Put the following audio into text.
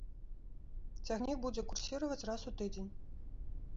Цягнік будзе курсіраваць раз у тыдзень.